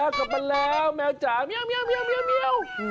กลับมาแล้วแมวจ๋าเมียว